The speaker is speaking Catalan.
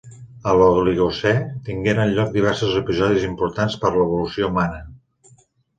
A l'Oligocè tingueren lloc diversos episodis importants per l'evolució humana.